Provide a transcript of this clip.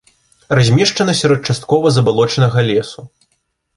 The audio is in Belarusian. Размешчана сярод часткова забалочанага лесу.